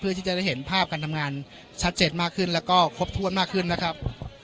ที่จะได้เห็นภาพการทำงานชัดเจนมากขึ้นแล้วก็ครบถ้วนมากขึ้นนะครับ